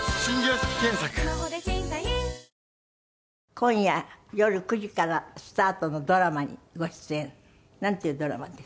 今夜夜９時からスタートのドラマにご出演。なんていうドラマです？